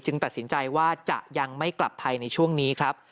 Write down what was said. ตัดสินใจว่าจะยังไม่กลับไทยในช่วงนี้ครับ